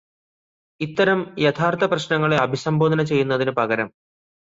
ഇത്തരം യഥാര്ത്ഥപ്രശ്നങ്ങളെ അഭിസംബോധന ചെയ്യുന്നതിനു പകരം